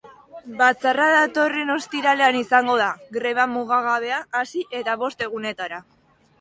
Batzarra datorren ostiralean izango da, greba mugagabea hasi eta bost egunetara.